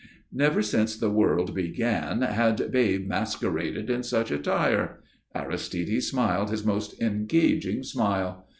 Never since the world began had babe masqueraded in such attire. Aristide smiled his most engaging smile.